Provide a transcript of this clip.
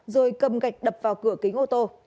rồi cầm gạch đập vào cửa kính ô tô